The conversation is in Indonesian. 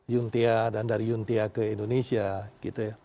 yuntia dan dari yuntia ke indonesia gitu ya